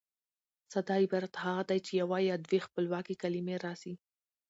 ساده عبارت هغه دئ، چي یوه یا دوې خپلواکي کلیمې راسي.